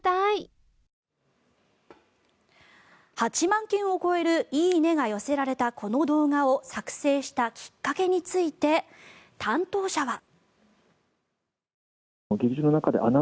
８万件を超える「いいね」が寄せられたこの動画を作成したきっかけについて担当者は。